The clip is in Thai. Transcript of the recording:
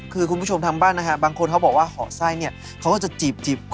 ตัดประมาณนั้นให้แม่ตัดต่อใช่ครับ